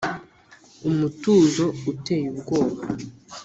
umutuzo uteye ubwoba!